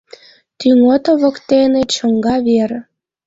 Тӱҥото воктене чоҥга вер.